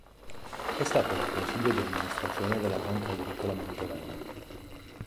È stato nel consiglio di amministrazione della Banca Agricola Mantovana.